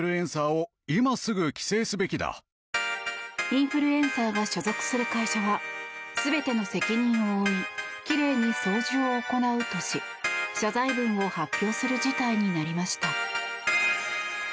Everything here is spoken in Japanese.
インフルエンサーが所属する会社は全ての責任を負い奇麗に掃除を行うとし謝罪文を発表する事態になりました。